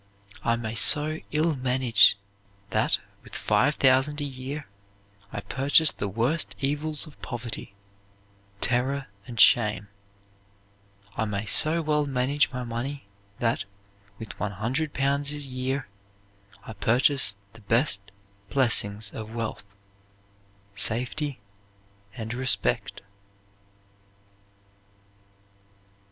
I may so ill manage that, with five thousand a year, I purchase the worst evils of poverty, terror and shame; I may so well manage my money that, with one hundred pounds a year, I purchase the best blessings of wealth, safety and respect."